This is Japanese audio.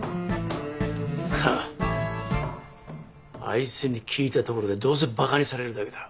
あいつに聞いたところでどうせバカにされるだけだ。